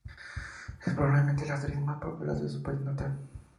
Es probablemente la actriz más popular de su país natal.